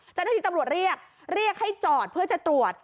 เจ้าหน้าที่ตำรวจเรียกเรียกให้จอดเพื่อจะตรวจ